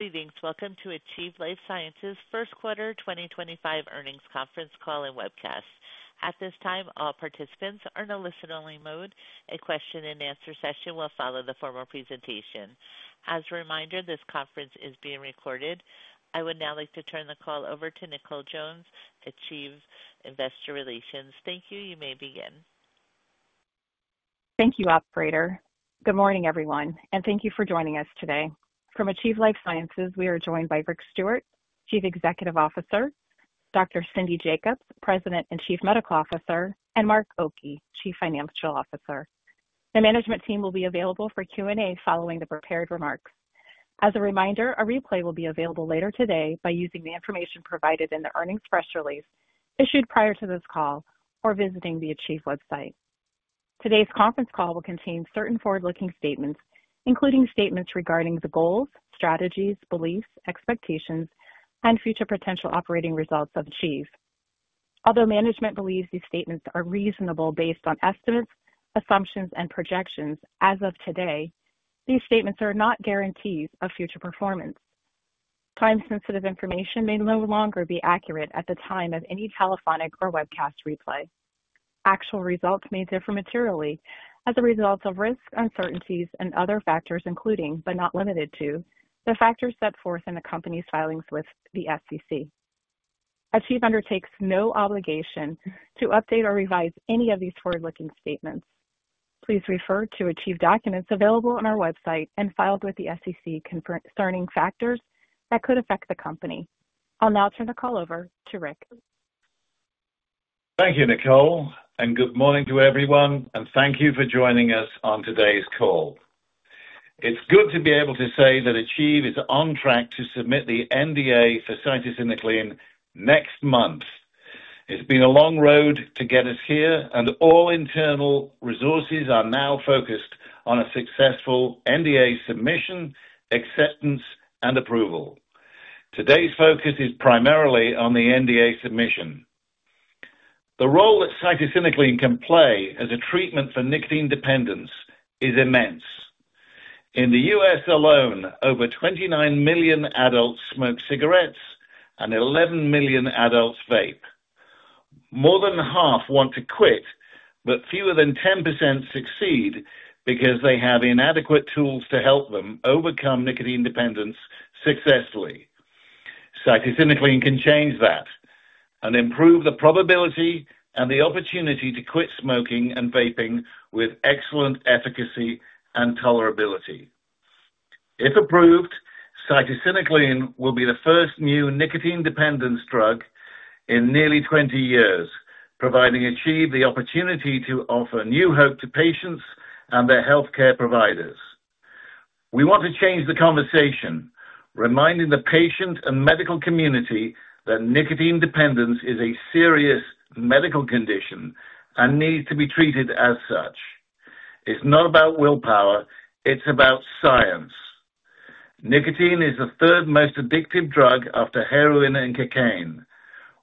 Greetings. Welcome to Achieve Life Sciences' first quarter 2025 earnings conference call and webcast. At this time, all participants are in a listen-only mode. A question-and-answer session will follow the formal presentation. As a reminder, this conference is being recorded. I would now like to turn the call over to Nicole Jones, Achieve Investor Relations. Thank you. You may begin. Thank you, Operator. Good morning, everyone, and thank you for joining us today. From Achieve Life Sciences, we are joined by Rick Stewart, Chief Executive Officer, Dr. Cindy Jacobs, President and Chief Medical Officer, and Mark Oki, Chief Financial Officer. The management team will be available for Q&A following the prepared remarks. As a reminder, a replay will be available later today by using the information provided in the earnings press release issued prior to this call or visiting the Achieve website. Today's conference call will contain certain forward-looking statements, including statements regarding the goals, strategies, beliefs, expectations, and future potential operating results of Achieve. Although management believes these statements are reasonable based on estimates, assumptions, and projections as of today, these statements are not guarantees of future performance. Time-sensitive information may no longer be accurate at the time of any telephonic or webcast replay. Actual results may differ materially as a result of risk, uncertainties, and other factors, including, but not limited to, the factors set forth in the company's filings with the SEC. Achieve undertakes no obligation to update or revise any of these forward-looking statements. Please refer to Achieve documents available on our website and filed with the SEC concerning factors that could affect the company. I'll now turn the call over to Rick. Thank you, Nicole, and good morning to everyone, and thank you for joining us on today's call. It's good to be able to say that Achieve is on track to submit the NDA for cytisinicline next month. It's been a long road to get us here, and all internal resources are now focused on a successful NDA submission, acceptance, and approval. Today's focus is primarily on the NDA submission. The role that cytisinicline can play as a treatment for nicotine dependence is immense. In the U.S. alone, over 29 million adults smoke cigarettes and 11 million adults vape. More than half want to quit, but fewer than 10% succeed because they have inadequate tools to help them overcome nicotine dependence successfully. Cytisinicline can change that and improve the probability and the opportunity to quit smoking and vaping with excellent efficacy and tolerability. If approved, cytisinicline will be the first new nicotine dependence drug in nearly 20 years, providing Achieve the opportunity to offer new hope to patients and their healthcare providers. We want to change the conversation, reminding the patient and medical community that nicotine dependence is a serious medical condition and needs to be treated as such. It's not about willpower; it's about science. Nicotine is the third most addictive drug after heroin and cocaine.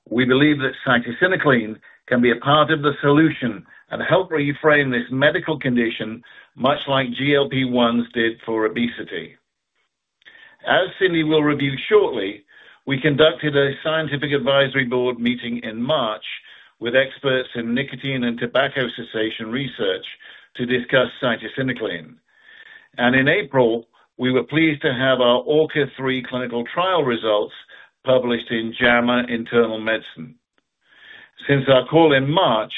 We believe that cytisinicline can be a part of the solution and help reframe this medical condition, much like GLP-1s did for obesity. As Cindy will review shortly, we conducted a scientific advisory board meeting in March with experts in nicotine and tobacco cessation research to discuss cytisinicline. In April, we were pleased to have our ORCA-3 clinical trial results published in JAMA Internal Medicine. Since our call in March,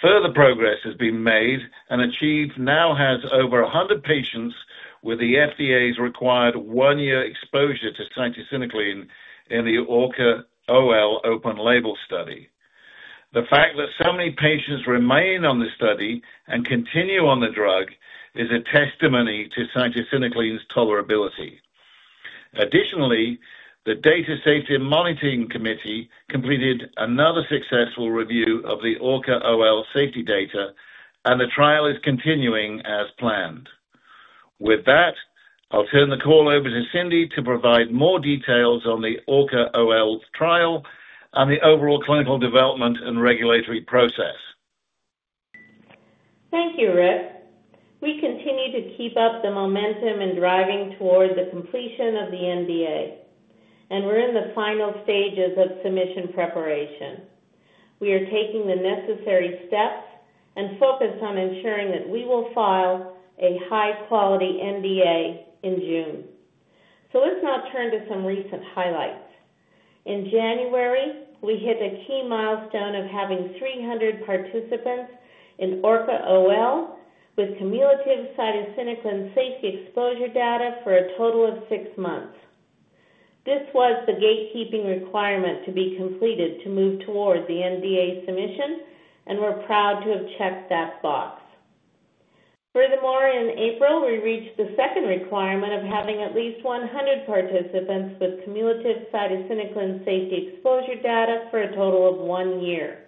further progress has been made, and Achieve now has over 100 patients with the FDA's required one-year exposure to cytisinicline in the ORCA-OL open label study. The fact that so many patients remain on the study and continue on the drug is a testimony to cytisinicline's tolerability. Additionally, the Data Safety Monitoring Committee completed another successful review of the ORCA-OL safety data, and the trial is continuing as planned. With that, I'll turn the call over to Cindy to provide more details on the ORCA-OL trial and the overall clinical development and regulatory process. Thank you, Rick. We continue to keep up the momentum and driving toward the completion of the NDA, and we're in the final stages of submission preparation. We are taking the necessary steps and focus on ensuring that we will file a high-quality NDA in June. Let's now turn to some recent highlights. In January, we hit a key milestone of having 300 participants in ORCA-OL with cumulative cytisinicline safety exposure data for a total of six months. This was the gatekeeping requirement to be completed to move toward the NDA submission, and we're proud to have checked that box. Furthermore, in April, we reached the second requirement of having at least 100 participants with cumulative cytisinicline safety exposure data for a total of one year.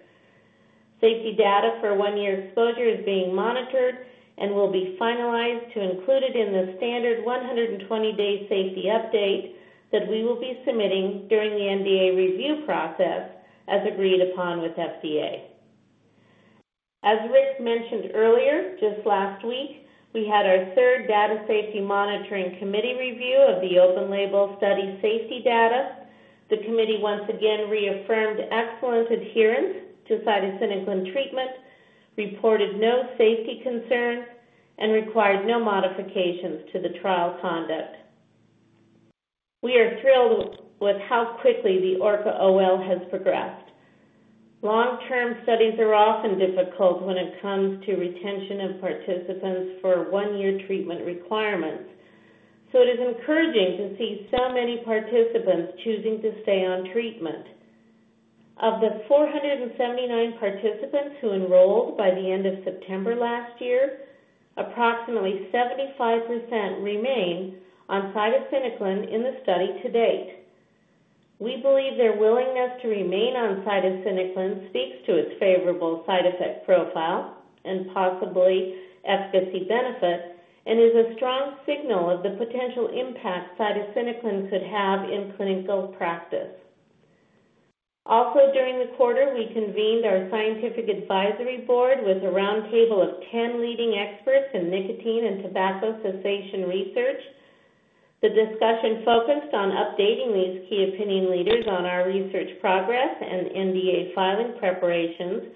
Safety data for one-year exposure is being monitored and will be finalized to include it in the standard 120-day safety update that we will be submitting during the NDA review process as agreed upon with FDA. As Rick mentioned earlier, just last week, we had our third Data Safety Monitoring Committee review of the open label study safety data. The committee once again reaffirmed excellent adherence to cytisinicline treatment, reported no safety concerns, and required no modifications to the trial conduct. We are thrilled with how quickly the ORCA-OL has progressed. Long-term studies are often difficult when it comes to retention of participants for one-year treatment requirements, so it is encouraging to see so many participants choosing to stay on treatment. Of the 479 participants who enrolled by the end of September last year, approximately 75% remain on cytisinicline in the study to date. We believe their willingness to remain on cytisinicline speaks to its favorable side effect profile and possibly efficacy benefit and is a strong signal of the potential impact cytisinicline could have in clinical practice. Also, during the quarter, we convened our scientific advisory board with a round table of 10 leading experts in nicotine and tobacco cessation research. The discussion focused on updating these key opinion leaders on our research progress and NDA filing preparations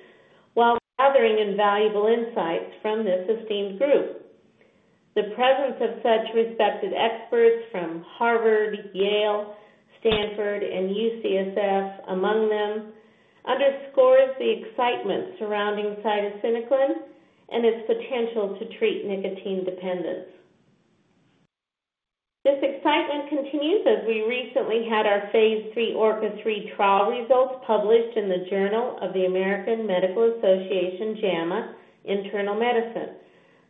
while gathering invaluable insights from this esteemed group. The presence of such respected experts from Harvard, Yale, Stanford, and UCSF among them underscores the excitement surrounding cytisinicline and its potential to treat nicotine dependence. This excitement continues as we recently had our phase III ORCA-3 trial results published in the Journal of the American Medical Association, JAMA Internal Medicine.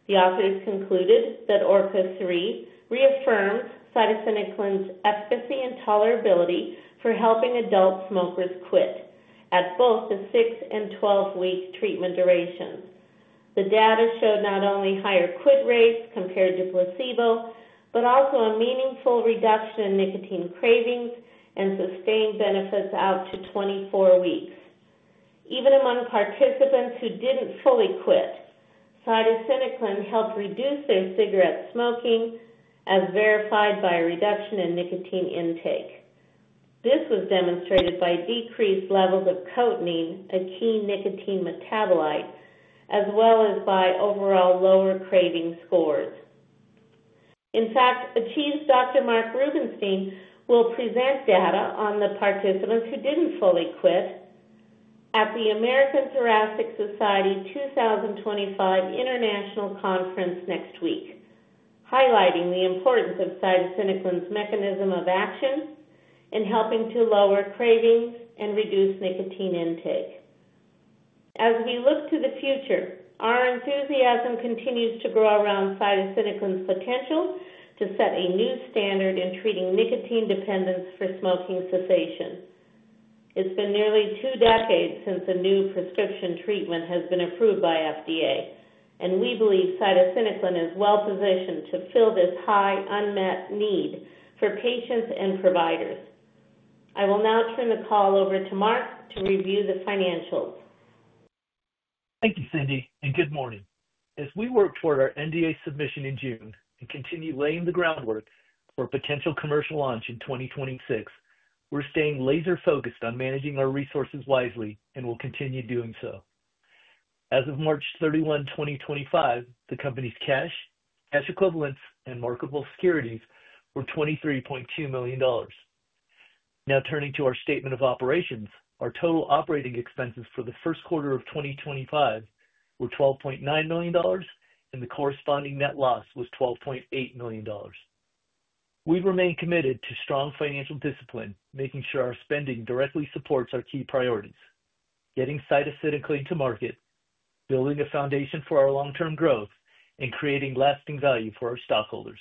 The authors concluded that ORCA-3 reaffirms cytisinicline's efficacy and tolerability for helping adult smokers quit at both the six and 12-week treatment durations. The data showed not only higher quit rates compared to placebo, but also a meaningful reduction in nicotine cravings and sustained benefits out to 24 weeks. Even among participants who did not fully quit, cytisinicline helped reduce their cigarette smoking, as verified by a reduction in nicotine intake. This was demonstrated by decreased levels of cotinine, a key nicotine metabolite, as well as by overall lower craving scores. In fact, Achieve's Dr. Mark Rubinstein will present data on the participants who did not fully quit at the American Thoracic Society 2025 International Conference next week, highlighting the importance of cytisinicline's mechanism of action in helping to lower cravings and reduce nicotine intake. As we look to the future, our enthusiasm continues to grow around cytisinicline's potential to set a new standard in treating nicotine dependence for smoking cessation. It has been nearly two decades since a new prescription treatment has been approved by FDA, and we believe cytisinicline is well positioned to fill this high unmet need for patients and providers. I will now turn the call over to Mark to review the financials. Thank you, Cindy, and good morning. As we work toward our NDA submission in June and continue laying the groundwork for a potential commercial launch in 2026, we're staying laser-focused on managing our resources wisely and will continue doing so. As of March 31, 2025, the company's cash, cash equivalents, and marketable securities were $23.2 million. Now turning to our statement of operations, our total operating expenses for the first quarter of 2025 were $12.9 million, and the corresponding net loss was $12.8 million. We remain committed to strong financial discipline, making sure our spending directly supports our key priorities: getting cytisinicline to market, building a foundation for our long-term growth, and creating lasting value for our stockholders.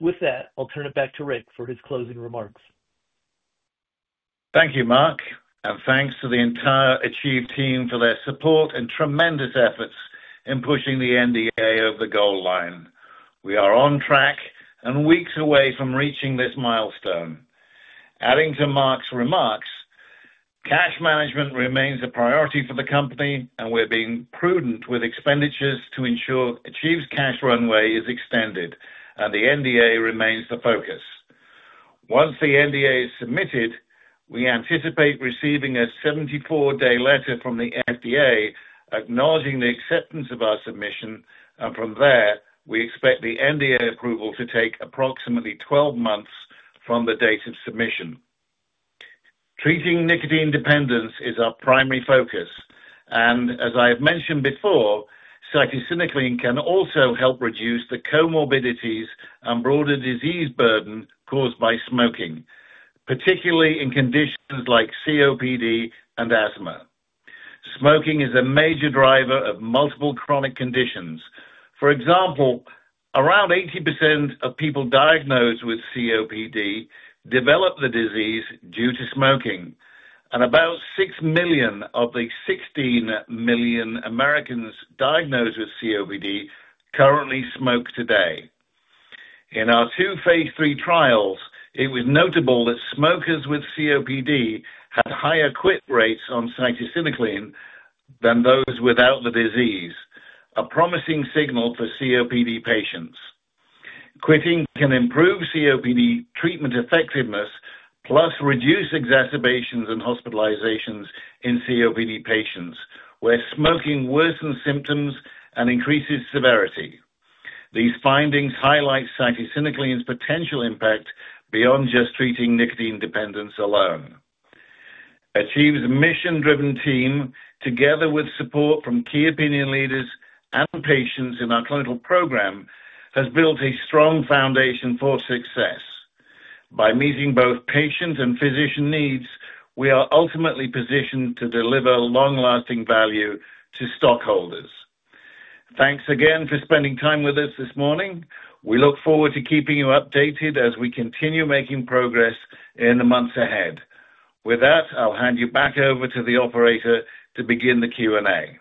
With that, I'll turn it back to Rick for his closing remarks. Thank you, Mark, and thanks to the entire Achieve team for their support and tremendous efforts in pushing the NDA over the goal line. We are on track and weeks away from reaching this milestone. Adding to Mark's remarks, cash management remains a priority for the company, and we're being prudent with expenditures to ensure Achieve's cash runway is extended and the NDA remains the focus. Once the NDA is submitted, we anticipate receiving a 74-day letter from the FDA acknowledging the acceptance of our submission, and from there, we expect the NDA approval to take approximately 12 months from the date of submission. Treating nicotine dependence is our primary focus, and as I have mentioned before, cytisinicline can also help reduce the comorbidities and broader disease burden caused by smoking, particularly in conditions like COPD and asthma. Smoking is a major driver of multiple chronic conditions. For example, around 80% of people diagnosed with COPD develop the disease due to smoking, and about 6 million of the 16 million Americans diagnosed with COPD currently smoke today. In our two phase III trials, it was notable that smokers with COPD had higher quit rates on cytisinicline than those without the disease, a promising signal for COPD patients. Quitting can improve COPD treatment effectiveness, plus reduce exacerbations and hospitalizations in COPD patients where smoking worsens symptoms and increases severity. These findings highlight cytisinicline's potential impact beyond just treating nicotine dependence alone. Achieve's mission-driven team, together with support from key opinion leaders and patients in our clinical program, has built a strong foundation for success. By meeting both patient and physician needs, we are ultimately positioned to deliver long-lasting value to stockholders. Thanks again for spending time with us this morning. We look forward to keeping you updated as we continue making progress in the months ahead. With that, I'll hand you back over to the operator to begin the Q&A.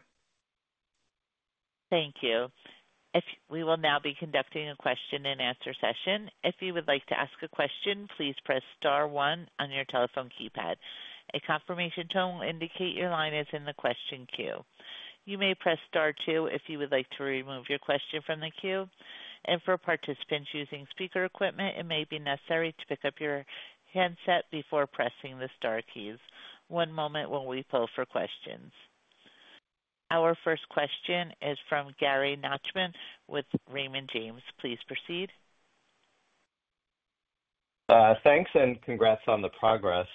Thank you. We will now be conducting a question-and-answer session. If you would like to ask a question, please press star one on your telephone keypad. A confirmation tone will indicate your line is in the question queue. You may press star two if you would like to remove your question from the queue. For participants using speaker equipment, it may be necessary to pick up your handset before pressing the star keys. One moment while we pull for questions. Our first question is from Gary Nachman with Raymond James. Please proceed. Thanks and congrats on the progress.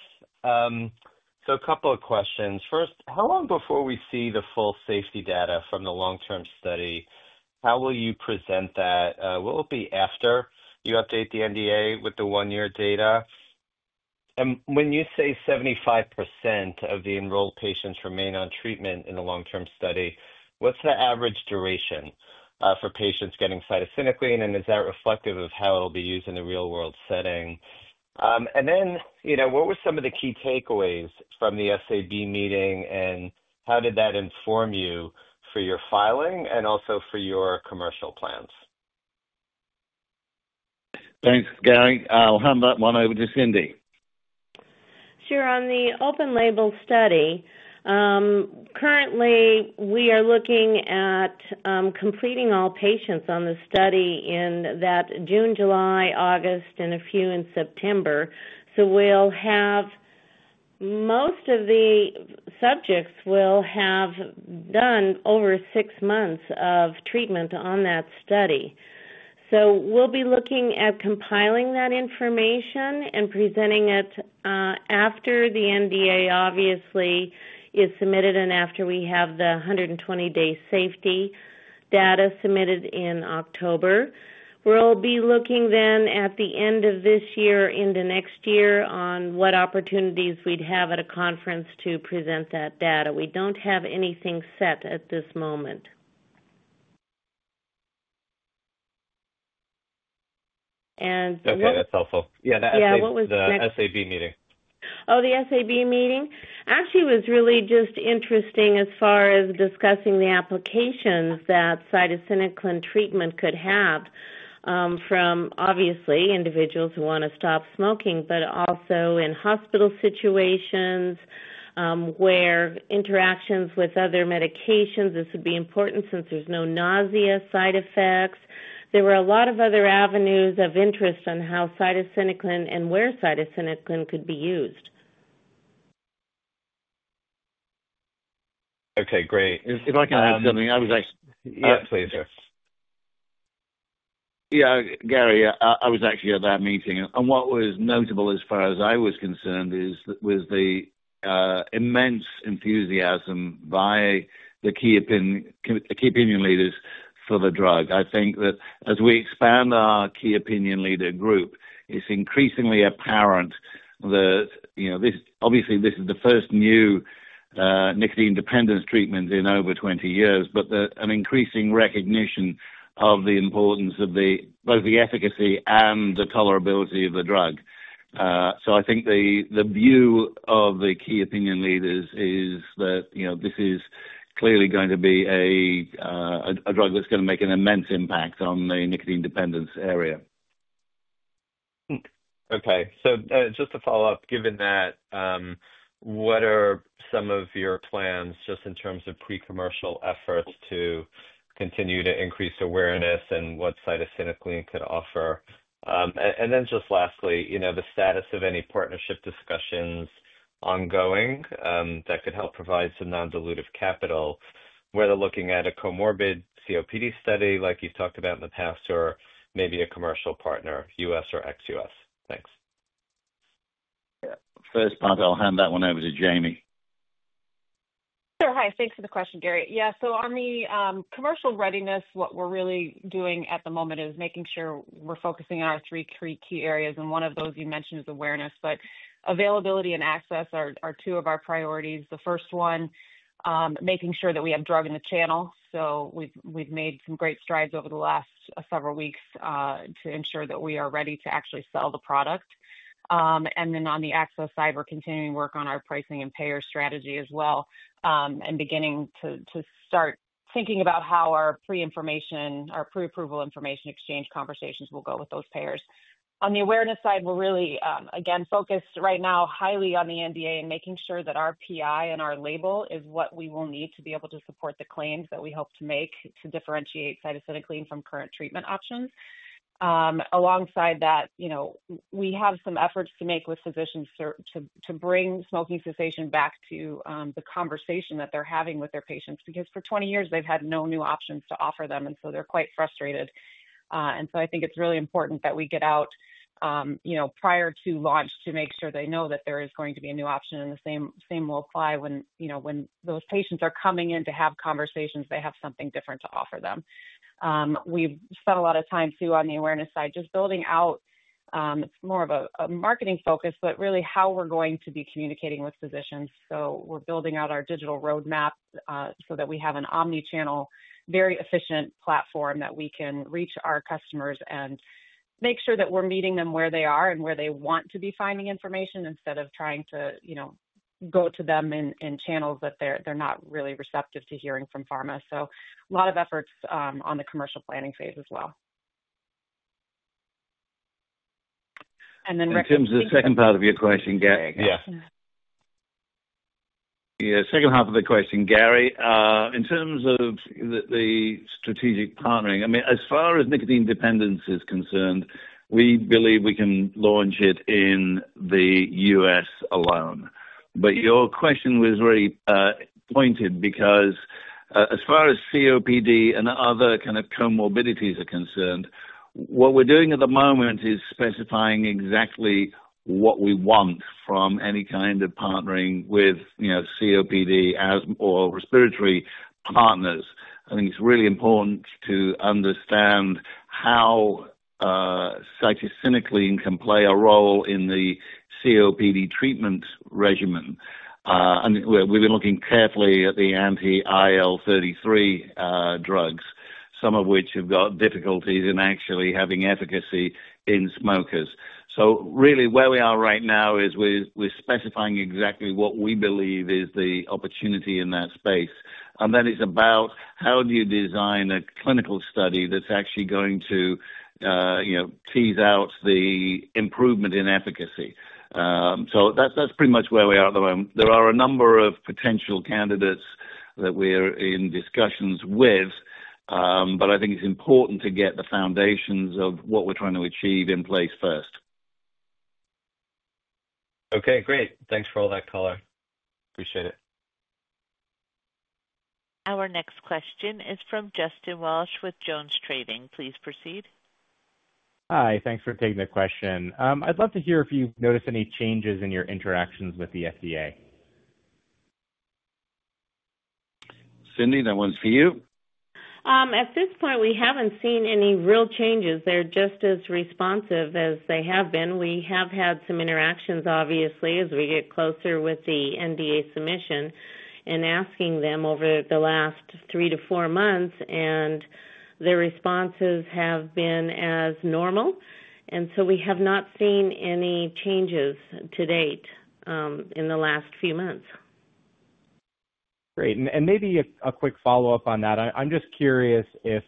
A couple of questions. First, how long before we see the full safety data from the long-term study? How will you present that? Will it be after you update the NDA with the one-year data? When you say 75% of the enrolled patients remain on treatment in the long-term study, what's the average duration for patients getting cytisinicline, and is that reflective of how it'll be used in a real-world setting? What were some of the key takeaways from the SAB meeting, and how did that inform you for your filing and also for your commercial plans? Thanks, Gary. I'll hand that one over to Cindy. Sure. On the open label study, currently, we are looking at completing all patients on the study in that June, July, August, and a few in September. Most of the subjects will have done over six months of treatment on that study. We will be looking at compiling that information and presenting it after the NDA obviously is submitted and after we have the 120-day safety data submitted in October. We will be looking then at the end of this year into next year on what opportunities we would have at a conference to present that data. We do not have anything set at this moment. Okay. That's helpful. Yeah. The SAB meeting. Oh, the SAB meeting? Actually, it was really just interesting as far as discussing the applications that cytisinicline treatment could have from obviously individuals who want to stop smoking, but also in hospital situations where interactions with other medications this would be important since there's no nausea side effects. There were a lot of other avenues of interest on how cytisinicline and where cytisinicline could be used. Okay. Great. If I can add something. Yeah. Please. Sorry. Yeah. Gary, I was actually at that meeting. What was notable as far as I was concerned was the immense enthusiasm by the key opinion leaders for the drug. I think that as we expand our key opinion leader group, it's increasingly apparent that obviously this is the first new nicotine dependence treatment in over 20 years, but an increasing recognition of the importance of both the efficacy and the tolerability of the drug. I think the view of the key opinion leaders is that this is clearly going to be a drug that's going to make an immense impact on the nicotine dependence area. Okay. Just to follow up, given that, what are some of your plans just in terms of pre-commercial efforts to continue to increase awareness and what cytisinicline could offer? And then just lastly, the status of any partnership discussions ongoing that could help provide some non-dilutive capital, whether looking at a comorbid COPD study like you've talked about in the past or maybe a commercial partner, U.S. or ex-U.S. Thanks. Yeah. First part, I'll hand that one over to Jamie. Sure. Hi. Thanks for the question, Gary. Yeah. On the commercial readiness, what we're really doing at the moment is making sure we're focusing on our three key areas. One of those you mentioned is awareness, but availability and access are two of our priorities. The first one, making sure that we have drug in the channel. We've made some great strides over the last several weeks to ensure that we are ready to actually sell the product. On the access side, we're continuing to work on our pricing and payer strategy as well and beginning to start thinking about how our pre-approval information exchange conversations will go with those payers. On the awareness side, we're really, again, focused right now highly on the NDA and making sure that our PI and our label is what we will need to be able to support the claims that we hope to make to differentiate cytisinicline from current treatment options. Alongside that, we have some efforts to make with physicians to bring smoking cessation back to the conversation that they're having with their patients because for 20 years, they've had no new options to offer them, and so they're quite frustrated. I think it's really important that we get out prior to launch to make sure they know that there is going to be a new option and the same will apply when those patients are coming in to have conversations, they have something different to offer them. We've spent a lot of time too on the awareness side, just building out more of a marketing focus, but really how we're going to be communicating with physicians. We're building out our digital roadmap so that we have an omnichannel, very efficient platform that we can reach our customers and make sure that we're meeting them where they are and where they want to be finding information instead of trying to go to them in channels that they're not really receptive to hearing from pharma. A lot of efforts on the commercial planning phase as well. And then record. In terms of the second part of your question, Gary. Yeah. Yeah. Second half of the question, Gary, in terms of the strategic partnering, I mean, as far as nicotine dependence is concerned, we believe we can launch it in the U.S. alone. Your question was very pointed because as far as COPD and other kind of comorbidities are concerned, what we're doing at the moment is specifying exactly what we want from any kind of partnering with COPD or respiratory partners. I think it's really important to understand how cytisinicline can play a role in the COPD treatment regimen. We've been looking carefully at the anti-IL-33 drugs, some of which have got difficulties in actually having efficacy in smokers. Where we are right now is we're specifying exactly what we believe is the opportunity in that space. It is about how do you design a clinical study that's actually going to tease out the improvement in efficacy. So that's pretty much where we are at the moment. There are a number of potential candidates that we're in discussions with, but I think it's important to get the foundations of what we're trying to achieve in place first. Okay. Great. Thanks for all that color. Appreciate it. Our next question is from Justin Walsh with JonesTrading. Please proceed. Hi. Thanks for taking the question. I'd love to hear if you notice any changes in your interactions with the FDA. Cindy, that one's for you. At this point, we haven't seen any real changes. They're just as responsive as they have been. We have had some interactions, obviously, as we get closer with the NDA submission and asking them over the last three to four months, and their responses have been as normal. We have not seen any changes to date in the last few months. Great. Maybe a quick follow-up on that. I'm just curious if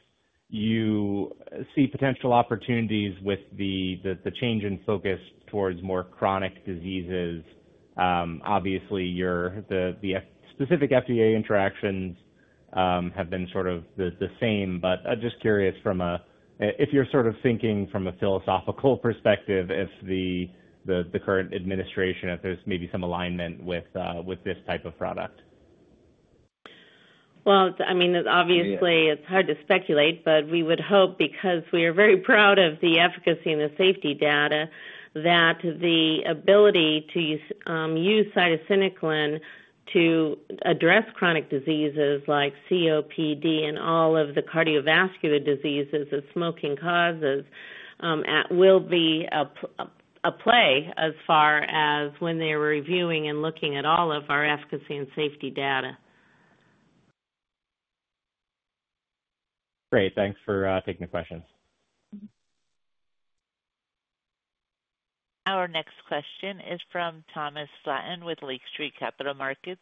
you see potential opportunities with the change in focus towards more chronic diseases. Obviously, the specific FDA interactions have been sort of the same, but I'm just curious if you're sort of thinking from a philosophical perspective, if the current administration, if there's maybe some alignment with this type of product. I mean, obviously, it's hard to speculate, but we would hope because we are very proud of the efficacy and the safety data that the ability to use cytisinicline to address chronic diseases like COPD and all of the cardiovascular diseases that smoking causes will be a play as far as when they were reviewing and looking at all of our efficacy and safety data. Great. Thanks for taking the questions. Our next question is from Thomas Flaten with Lake Street Capital Markets.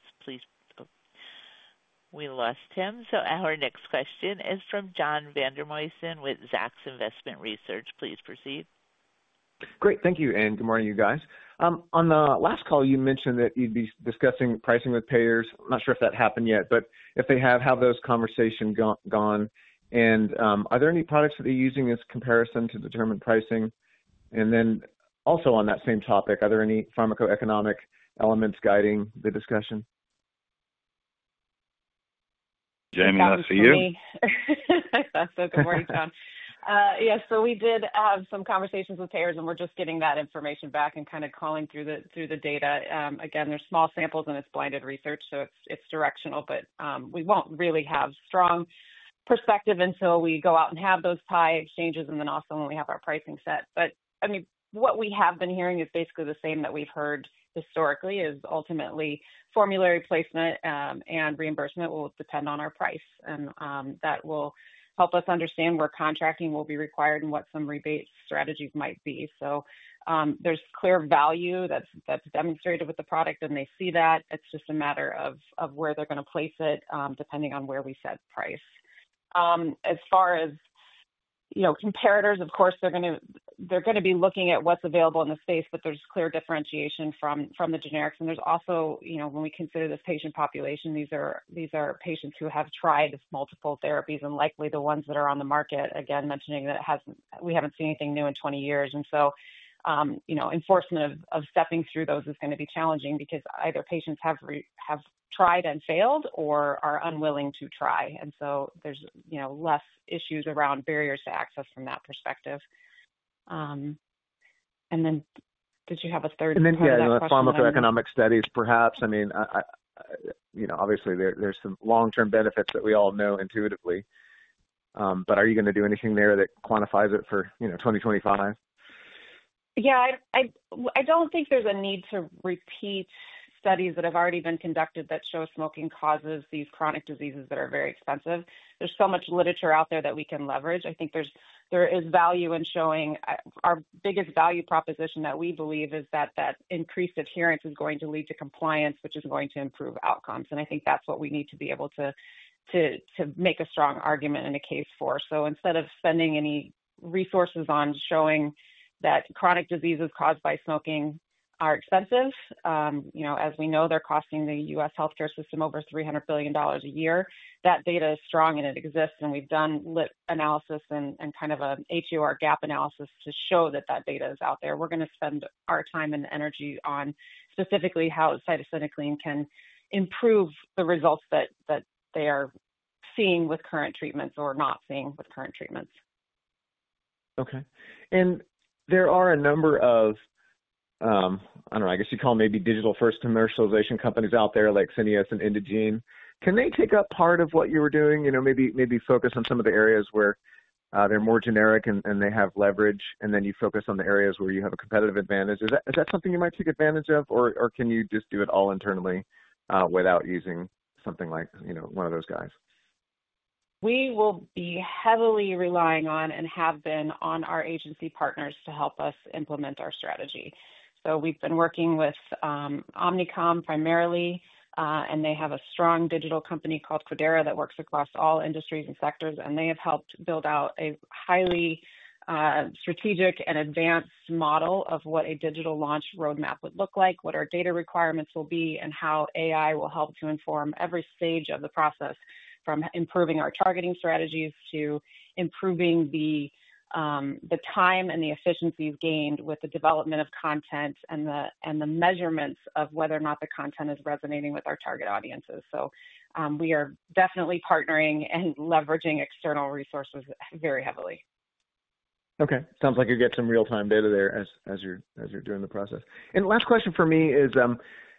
We lost him. Our next question is from John Vandermosten with Zacks Investment Research. Please proceed. Great. Thank you. Good morning, you guys. On the last call, you mentioned that you'd be discussing pricing with payers. I'm not sure if that happened yet. If they have, how have those conversations gone? Are there any products that they're using as comparison to determine pricing? Also, on that same topic, are there any pharmacoeconomic elements guiding the discussion? Jamie, that's for you. That's for me. Good morning, John. Yeah. So we did have some conversations with payers, and we're just getting that information back and kind of culling through the data. Again, they're small samples, and it's blinded research, so it's directional, but we won't really have strong perspective until we go out and have those tie exchanges and then also when we have our pricing set. I mean, what we have been hearing is basically the same that we've heard historically is ultimately formulary placement and reimbursement will depend on our price. That will help us understand where contracting will be required and what some rebate strategies might be. There's clear value that's demonstrated with the product, and they see that. It's just a matter of where they're going to place it depending on where we set price. As far as comparators, of course, they're going to be looking at what's available in the space, but there's clear differentiation from the generics. There's also, when we consider this patient population, these are patients who have tried multiple therapies and likely the ones that are on the market, again, mentioning that we haven't seen anything new in 20 years. Enforcement of stepping through those is going to be challenging because either patients have tried and failed or are unwilling to try. There's less issues around barriers to access from that perspective. Did you have a third question? Yeah. That was pharmacoeconomic studies, perhaps. I mean, obviously, there's some long-term benefits that we all know intuitively, but are you going to do anything there that quantifies it for 2025? Yeah. I don't think there's a need to repeat studies that have already been conducted that show smoking causes these chronic diseases that are very expensive. There's so much literature out there that we can leverage. I think there is value in showing our biggest value proposition that we believe is that that increased adherence is going to lead to compliance, which is going to improve outcomes. I think that's what we need to be able to make a strong argument in a case for. Instead of spending any resources on showing that chronic diseases caused by smoking are expensive, as we know they're costing the U.S. healthcare system over $300 billion a year, that data is strong and it exists. We've done analysis and kind of an HuR gap analysis to show that that data is out there. We're going to spend our time and energy on specifically how scientists in the clinic can improve the results that they are seeing with current treatments or not seeing with current treatments. Okay. There are a number of, I don't know, I guess you'd call them maybe digital-first commercialization companies out there like Syneos and Indigene. Can they take up part of what you were doing, maybe focus on some of the areas where they're more generic and they have leverage, and then you focus on the areas where you have a competitive advantage? Is that something you might take advantage of, or can you just do it all internally without using something like one of those guys? We will be heavily relying on and have been on our agency partners to help us implement our strategy. We've been working with Omnicom primarily, and they have a strong digital company called Credera that works across all industries and sectors. They have helped build out a highly strategic and advanced model of what a digital launch roadmap would look like, what our data requirements will be, and how AI will help to inform every stage of the process from improving our targeting strategies to improving the time and the efficiencies gained with the development of content and the measurements of whether or not the content is resonating with our target audiences. We are definitely partnering and leveraging external resources very heavily. Okay. Sounds like you get some real-time data there as you're doing the process. Last question for me is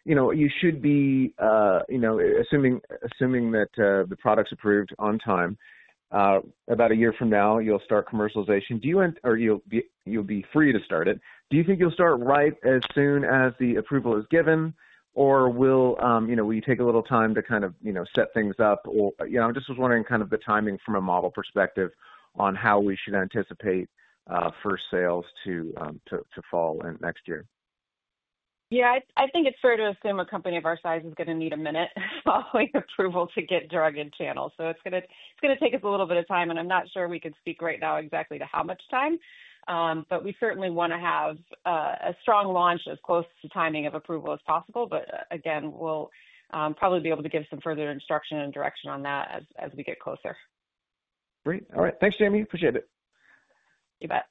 you should be assuming that the product's approved on time. About a year from now, you'll start commercialization. You'll be free to start it. Do you think you'll start right as soon as the approval is given, or will you take a little time to kind of set things up? I just was wondering kind of the timing from a model perspective on how we should anticipate first sales to fall in next year. Yeah. I think it's fair to assume a company of our size is going to need a minute following approval to get drug in channels. So it's going to take us a little bit of time, and I'm not sure we could speak right now exactly to how much time, but we certainly want to have a strong launch as close to timing of approval as possible. Again, we'll probably be able to give some further instruction and direction on that as we get closer. Great. All right. Thanks, Jamie. Appreciate it. You bet.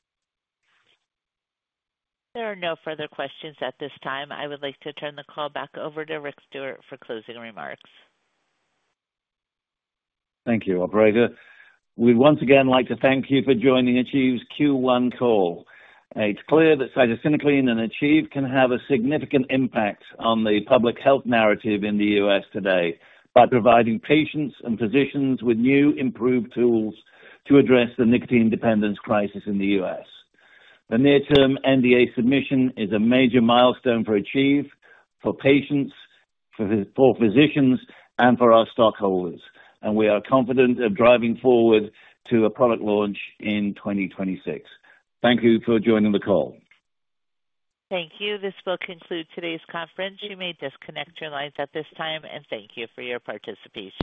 There are no further questions at this time. I would like to turn the call back over to Rick Stewart for closing remarks. Thank you, Operator. We'd once again like to thank you for joining Achieve's Q1 call. It's clear that cytisinicline and Achieve can have a significant impact on the public health narrative in the U.S. today by providing patients and physicians with new improved tools to address the nicotine dependence crisis in the U.S. The near-term NDA submission is a major milestone for Achieve, for patients, for physicians, and for our stockholders. We are confident of driving forward to a product launch in 2026. Thank you for joining the call. Thank you. This will conclude today's conference. You may disconnect your lines at this time, and thank you for your participation.